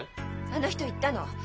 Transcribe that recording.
あの人言ったの。